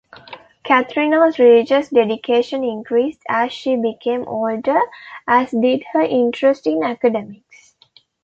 Catherine's religious dedication increased as she became older, as did her interest in academics.